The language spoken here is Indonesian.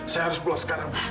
saya harus pulang sekarang